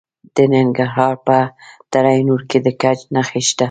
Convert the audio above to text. د ننګرهار په دره نور کې د ګچ نښې شته.